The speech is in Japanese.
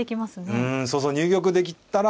うんそうそう入玉できたら。